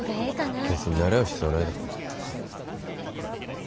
別になれ合う必要はないだろ。